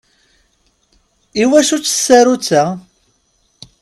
Iwacu-tt tsarutt-a?